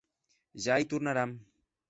Ja i tornaram.